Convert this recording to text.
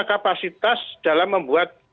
kapasitas dalam membuat